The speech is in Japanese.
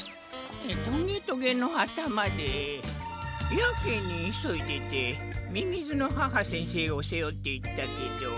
トゲトゲのあたまでやけにいそいでてみみずの母先生をせおっていったけど。